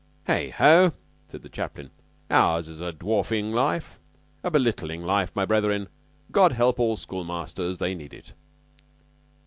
"Heigho!" said the chaplain. "Ours is a dwarfing life a belittling life, my brethren. God help all schoolmasters! They need it."